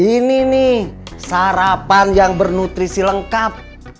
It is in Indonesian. ini nih sarapan yang bernutrisi lengkap